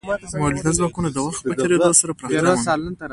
مؤلده ځواکونه د وخت په تیریدو سره پراختیا مومي.